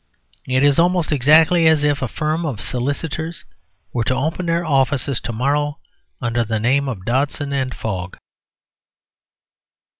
It is almost exactly as if a firm of solicitors were to open their offices to morrow under the name of Dodson and Fogg.